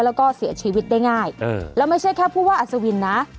แล้วก็เสียชีวิตได้ง่ายแล้วไม่ใช่แค่ผู้ว่าอัศวินนะ